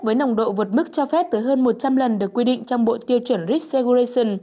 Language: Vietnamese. với nồng độ vượt mức cho phép tới hơn một trăm linh lần được quy định trong bộ tiêu chuẩn rick seoration